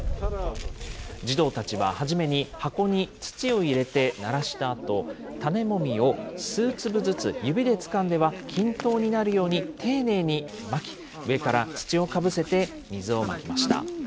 児童たちは初めに、箱に土を入れてならしたあと、種もみを数粒ずつ指でつかんでは均等になるように丁寧にまき、上から土をかぶせて水をまきました。